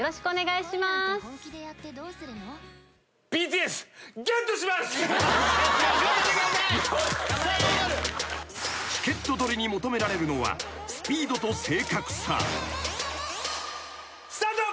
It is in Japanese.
［チケット取りに求められるのは］スタート！